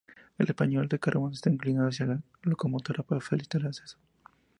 El pañol de carbón está inclinado hacia la locomotora para facilitar su acceso.